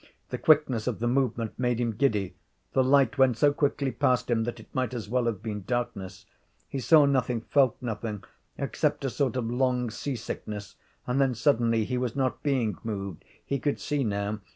The quickness of the movement made him giddy. The light went so quickly past him that it might as well have been darkness. He saw nothing, felt nothing, except a sort of long sea sickness, and then suddenly he was not being moved. He could see now.